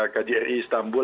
karena kjri istanbul